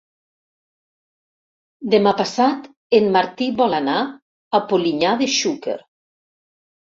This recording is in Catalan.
Demà passat en Martí vol anar a Polinyà de Xúquer.